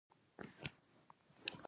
دا د پانګوالي نظام د له منځه وړلو وسیله ده